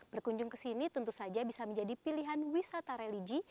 berkunjung ke sini tentu saja bisa menjadi pilihan wisata religi